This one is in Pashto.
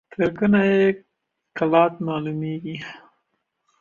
تر کونه يې کلات معلومېږي.